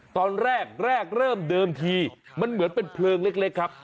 ตอนแรกแรกเริ่มเดิมทีมันเหมือนเป็นเพลิงเล็กครับ